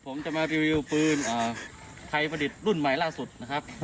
ผมจะมารีวิวปืนไทยประดิษฐ์รุ่นใหม่ล่าสุดนะครับ